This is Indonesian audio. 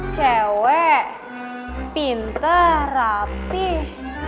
cewek pinter rapih